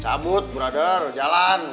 cabut brother jalan